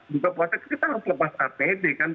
buka proteksi kita harus lepas apd kan